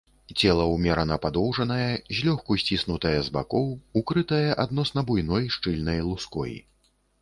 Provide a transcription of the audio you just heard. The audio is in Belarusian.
Цела ўмерана падоўжанае, злёгку сціснутае з бакоў, укрытае адносна буйной шчыльнай луской.